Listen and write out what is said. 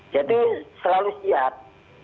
dia tuh selalu siap